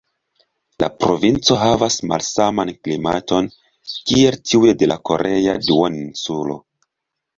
La provinco havas malsaman klimaton kiel tiuj de la korea duoninsulo.